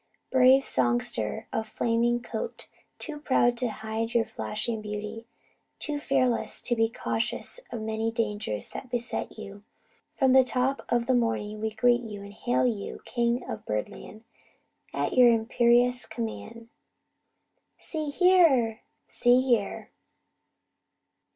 Brave songster of the flaming coat, too proud to hide your flashing beauty, too fearless to be cautious of the many dangers that beset you, from the top of the morning we greet you, and hail you King of Birdland, at your imperious command: "See here! See here!"